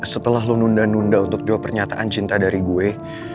setelah lo nunda nunda untuk jawab pernyataan cinta dari gue